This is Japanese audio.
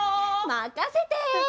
まかせて！